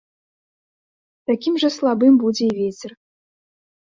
Такім жа слабым будзе і вецер.